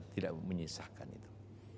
tidak menyisahkan itu